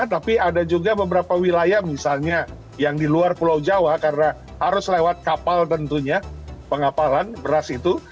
tapi ada juga beberapa wilayah misalnya yang di luar pulau jawa karena harus lewat kapal tentunya pengapalan beras itu